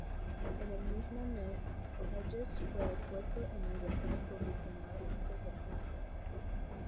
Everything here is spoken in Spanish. En el mismo mes, Hedges fue puesto en libertad provisional antes del juicio.